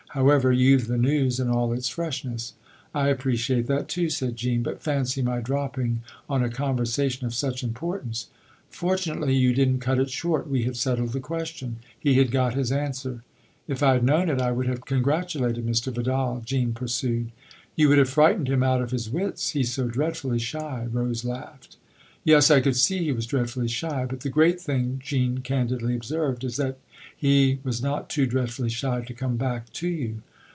" However, you've the news in all its freshness." " I appreciate that too," said Jean. " But fancy my dropping on a conversation of such impor tance !"" Fortunately you didn't cut it short. We had settled the question. He had got his answer." 224 THE OTHER HOUSE " If I had known it I would have congratulated Mr. Vidal," Jean pursued. " You would have frightened him out of his wits he's so dreadfully shy," Rose laughed. "Yes I could see he was dreadfully shy. But the great thing," Jean candidly observed*, " is that he was not too dreadfully shy to come back to you."